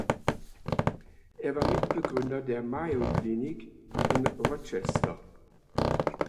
Er war Mitbegründer der "Mayo Clinic" in Rochester.